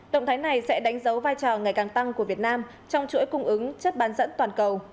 động thái này sẽ đánh dấu vai trò ngày càng tăng của việt nam trong chuỗi cung ứng chất bán dẫn toàn cầu